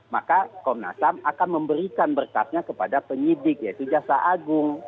maka komnas ham akan memberikan berkasnya kepada penyidik yaitu jasa agung